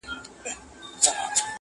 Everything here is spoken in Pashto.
د انسان وجدان د هر څه شاهد پاتې کيږي تل،